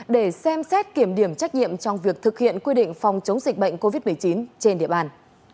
để xem xét kiểm điểm trách nhiệm trong việc thực hiện quy định phòng chống dịch bệnh covid một mươi chín trên địa bàn